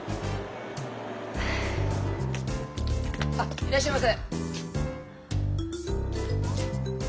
いらっしゃいませ。